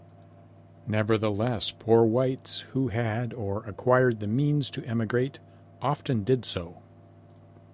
Nevertheless, poor whites who had or acquired the means to emigrate often did so.